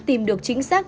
tìm được chính xác